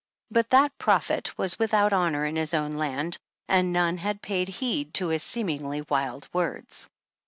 But that prophet was without honor in his own land, and none had paid heed to his seemingly wild words.